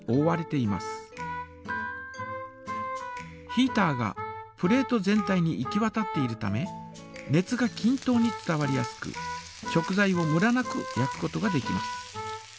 ヒータがプレート全体に行きわたっているため熱がきん等に伝わりやすく食材をムラなく焼くことができます。